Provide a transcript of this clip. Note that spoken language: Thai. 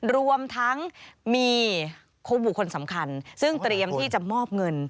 รวมทั้งมีบุคคลสำคัญซึ่งเตรียมที่จะมอบเงิน